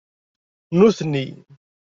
Nutni